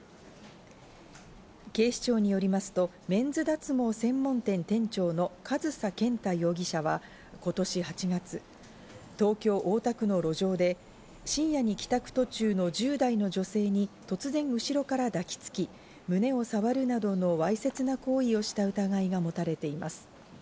警視庁によりますと、メンズ脱毛専門店店長の上総健太容疑者は今年８月、東京・大田区の路上で、深夜に帰宅途中の１０代の女性に突然後ろから抱きつき、胸をさわるなどのわいせつな行為をした疑いがもたれています。